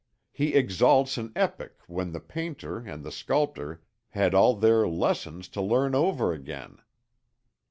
He exalts an epoch when the painter and the sculptor had all their lessons to learn over again.